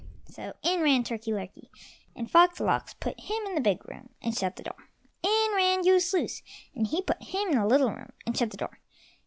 So in ran Turkey lurkey, and Fox lox put him in the big room, and shut the door. In ran Goose loose, and he put him in the little room, and shut the door.